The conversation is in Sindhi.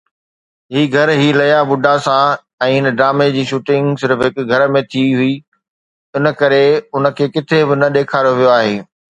هڪ گهر هي ليا بڊا سا ۽ هن ڊرامي جي شوٽنگ صرف هن گهر ۾ ٿي هئي انڪري ان کي ڪٿي به نه ڏيکاريو ويو آهي.